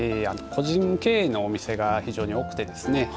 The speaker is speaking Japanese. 個人経営のお店が非常に多くてですね